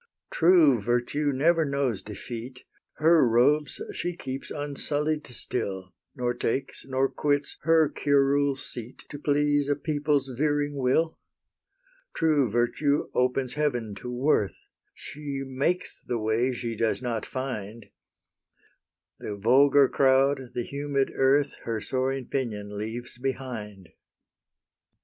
True Virtue never knows defeat: HER robes she keeps unsullied still, Nor takes, nor quits, HER curule seat To please a people's veering will. True Virtue opens heaven to worth: She makes the way she does not find: The vulgar crowd, the humid earth, Her soaring pinion leaves behind.